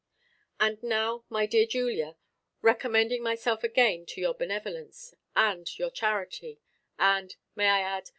And now, my dear Julia, recommending myself again to your benevolence, to your charity, and (may I add?)